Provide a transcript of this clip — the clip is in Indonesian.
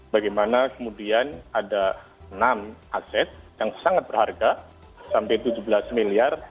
bagaimana kemudian ada enam aset yang sangat berharga sampai tujuh belas miliar